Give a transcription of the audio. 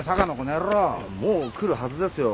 いやもう来るはずですよ。